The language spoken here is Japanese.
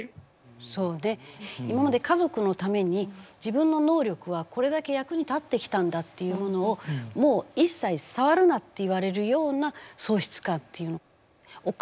そうね今まで家族のために自分の能力はこれだけ役に立ってきたんだっていうものをもう一切触るなって言われるような喪失感っていうのかな。